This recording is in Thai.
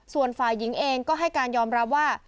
ส่วนฝ่ายหญิงเองก็ให้การยอมรับว่า